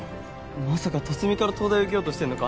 まさか龍海から東大受けようとしてんのか？